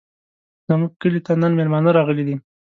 زموږ کلي ته نن مېلمانه راغلي دي.